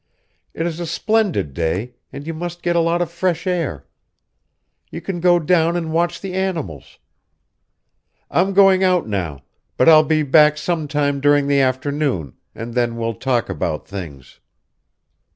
"It is a splendid day, and you must get a lot of fresh air. You can go down and watch the animals. I'm going out now, but I'll be back some time during the afternoon, and then we'll talk about things."